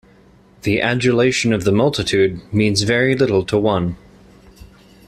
The adulation of the multitude means very little to one.